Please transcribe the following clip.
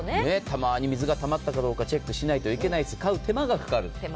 たまに水がたまったかどうかチェックしないといけない、買う手間がかかる。